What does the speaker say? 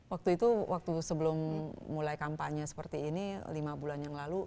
waktu itu waktu sebelum mulai kampanye seperti ini lima bulan yang lalu